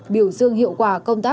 biểu dương hiệu quả công tác